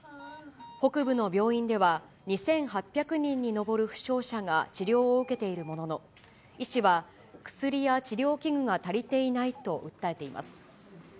北部の病院では、２８００人に上る負傷者が治療を受けているものの、医師は薬や治療器具が足りていないと訴えています。